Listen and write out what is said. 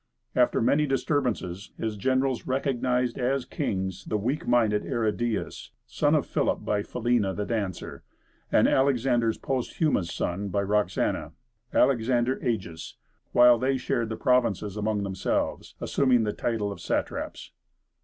After many disturbances, his generals recognized as Kings the weak minded Aridæus a son of Philip by Philinna, the dancer and Alexander's posthumous son by Roxana, Alexander Ægus, while they shared the provinces among themselves, assuming the title of satraps.